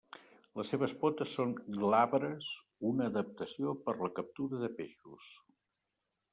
Les seves potes són glabres, una adaptació per la captura de peixos.